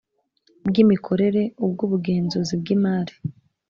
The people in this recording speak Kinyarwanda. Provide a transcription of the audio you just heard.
Bw imikorere ubw ubugenzuzi bw imari